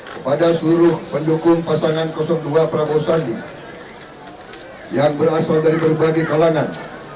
kepada seluruh pendukung pasangan dua prabowo sandi yang berasal dari berbagai kalangan